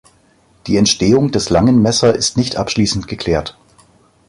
Die Entstehung des Langen Messer ist nicht abschließend geklärt.